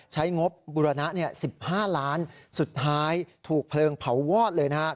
งบบุรณะ๑๕ล้านสุดท้ายถูกเพลิงเผาวอดเลยนะฮะ